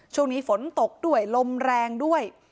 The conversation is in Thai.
ช่วงนี้ฝนตกด้วยลมแรงด้วย